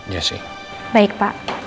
jessi baik pak